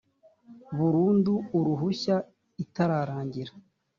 burundu uruhushya itararangira